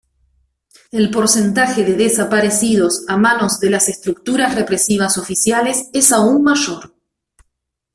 El porcentaje de desaparecidos a manos de las estructuras represivas oficiales es aún mayor.